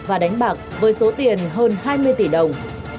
và đánh bạc với số tiền hơn hai mươi tỷ đồng